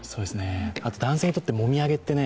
あと男性にとってもみあげってね